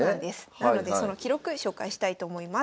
なのでその記録紹介したいと思います。